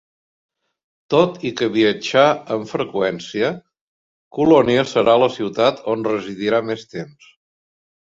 Tot i que viatjà amb freqüència, Colònia serà la ciutat on residirà més temps.